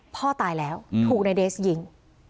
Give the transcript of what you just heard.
พ่อตายแล้วถูกนายเดสยิง